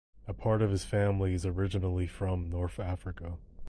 A part of his family is originally from North Africa.